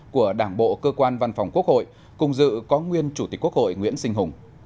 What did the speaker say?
của đảng bộ cơ quan văn phòng quốc hội cùng dự có nguyên chủ tịch quốc hội nguyễn sinh hùng